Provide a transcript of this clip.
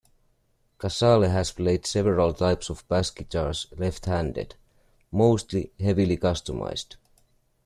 Casale has played several types of bass guitars left-handed, mostly heavily customized.